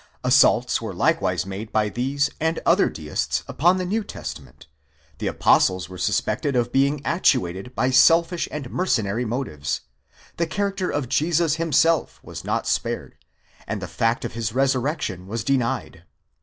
Assaults were likewise made by these and other deists upon the New Testament: the Apostles were sus pected of being actuated by selfish and mercenary motives ;> the character of Jesus himself was not spared,® and the fact of his resurrection was denied."